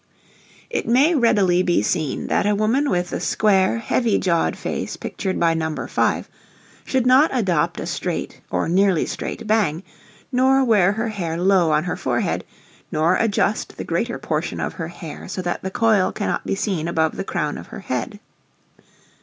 It may readily be seen that a woman with the square, heavy jawed face pictured by No. 5, should not adopt a straight, or nearly straight, bang, nor wear her hair low on her forehead, nor adjust the greater portion of her hair so that the coil cannot be seen above the crown of her head.